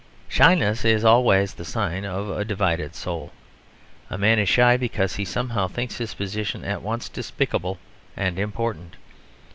Shyness is always the sign of a divided soul; a man is shy because he somehow thinks his position at once despicable and important.